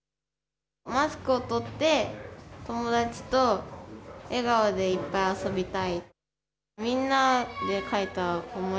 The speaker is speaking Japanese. マスクを取って友達と笑顔でいっぱい遊びたい。